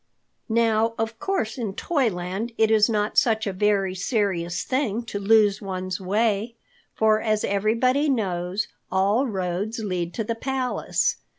Now, of course in Toyland it is not such a very serious thing to lose one's way, for as everybody knows, all roads lead to the palace.